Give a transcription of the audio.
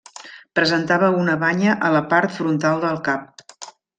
Presentava una banya a la part frontal del cap.